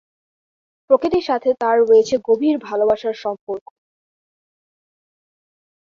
প্রকৃতির সাথে তার রয়েছে গভীর ভালোবাসার সম্পর্ক।